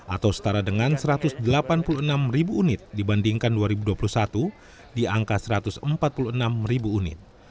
atau setara dengan satu ratus delapan puluh enam unit dibandingkan dua ribu dua puluh satu di angka satu ratus empat puluh enam unit